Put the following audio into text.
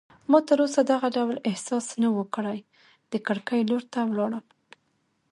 ما تراوسه دغه ډول احساس نه و کړی، د کړکۍ لور ته ولاړم.